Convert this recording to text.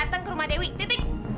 datang ke rumah dewi titik